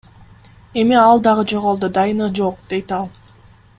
Эми ал дагы жоголду, дайыны жок, – дейт ал.